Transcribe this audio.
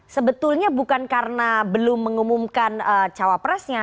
sebetulnya bukan karena belum mengumumkan cawapresnya